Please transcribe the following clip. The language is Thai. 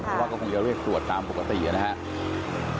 เพราะว่าก็คงจะเรียกตรวจตามปกตินะครับ